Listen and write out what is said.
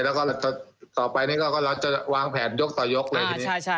แล้วก็ต่อไปนี่ก็ก็เราจะวางแผนยกต่อยกเลยอ่าใช่ใช่